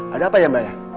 ada apa ya mbak ya